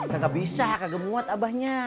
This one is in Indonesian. gak bisa gak gemuat abahnya